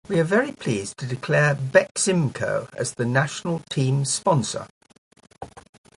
We are very pleased to declare Beximco as the national team sponsor.